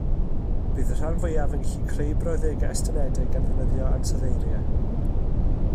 Bydd y rhan fwyaf yn gallu creu brawddegau estynedig gan ddefnyddio ansoddeiriau